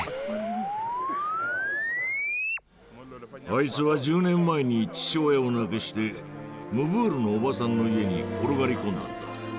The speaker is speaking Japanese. あいつは１０年前に父親を亡くしてムブールのおばさんの家に転がり込んだんだ。